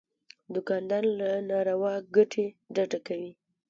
دوکاندار له ناروا ګټې ډډه کوي.